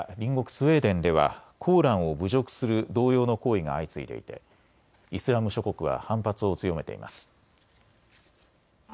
スウェーデンではコーランを侮辱する同様の行為が相次いでいてイスラム諸国は反発を強めています。